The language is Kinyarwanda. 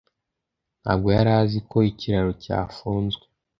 ntabwo yari azi ko ikiraro cyafunzwe